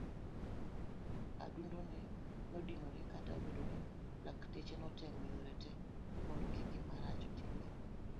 Adundone nodinore kata obedo ni lakteche netemo yore te mondo kik gimarach time.